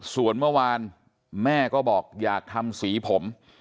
ส่วนเมื่อวานแม่ก็บอกอยากทำสีผม